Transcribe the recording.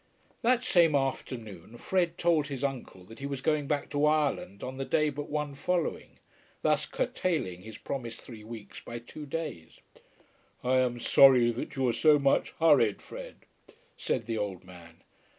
That same afternoon Fred told his uncle that he was going back to Ireland on the day but one following, thus curtailing his promised three weeks by two days. "I am sorry that you are so much hurried, Fred," said the old man.